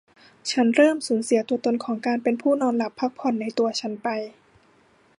ฉันเริ่มสูญเสียตัวตนของการเป็นผู้นอนหลับพักผ่อนในตัวฉันไป